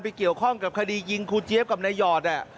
เกี่ยวข้องกับคดียิงครูเจี๊ยบกับนายหอด